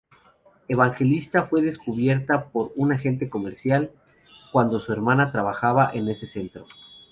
Evangelista fue descubierta por un agente comercial, cuando su hermana trabajaba en ese centro.